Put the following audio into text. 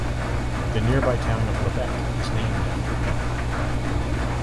The nearby town of Lebec is named after him.